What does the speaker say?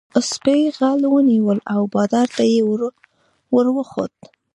سپي غل ونیو او بادار ته یې ور وښود.